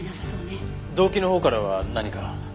動機のほうからは何か？